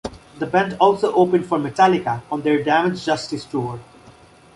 The band also opened for Metallica on their Damaged Justice tour.